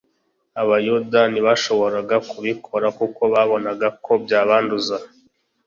Abayuda ntibashoboraga kubikora kuko babonaga ko byabanduza